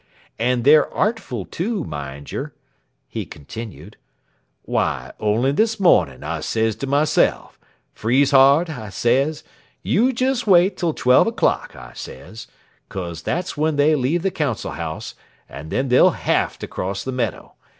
"And they're artful, too, mind yer," he continued. "Why, only this morning, I sez to myself, 'Friesshardt,' I sez, 'you just wait till twelve o'clock,' I sez, ''cos that's when they leave the council house, and then they'll have to cross the meadow.